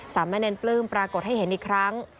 สามเณรปลื้มปรากฏให้เห็นอีกครั้ง